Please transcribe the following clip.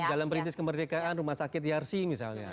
dalam perintis kemerdekaan rumah sakit yarsi misalnya